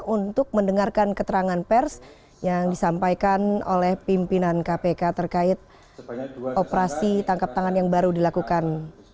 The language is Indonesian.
untuk mendengarkan keterangan pers yang disampaikan oleh pimpinan kpk terkait operasi tangkap tangan yang baru dilakukan